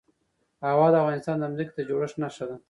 هوا د افغانستان د ځمکې د جوړښت نښه ده.